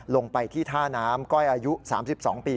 ลงไปที่ท่าน้ำก้อยอายุ๓๒ปี